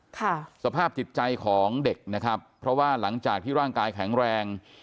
สภาพจิตใจของเด็กนะครับเพราะว่าหลังจากที่ร่างกายแข็งแรง